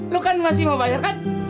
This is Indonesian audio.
lo kan masih mau bayar kan